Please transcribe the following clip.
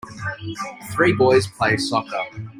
three boys play soccer.